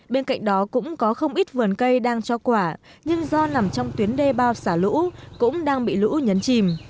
bên cạnh đó cũng có không ít vườn cây đang cho quả nhưng do nằm trong tuyến đê bao xả lũ cũng đang bị lũ nhấn chìm